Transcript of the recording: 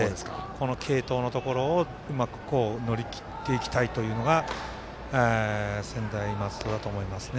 この継投のところをうまく乗り切っていきたいというのが専大松戸だと思いますね。